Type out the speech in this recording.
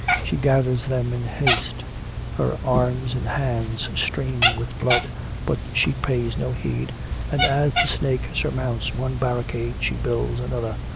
She gathers them in haste; her arms and hands stream with blood, but she pays no heed, and as the snake surmounts one barricade she builds another.